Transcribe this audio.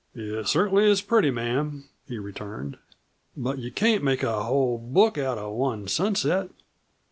"It cert'nly is pretty, ma'am," he returned. "But you can't make a whole book out of one sunset."